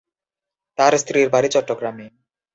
তার স্ত্রীর বাড়ি চট্টগ্রামে।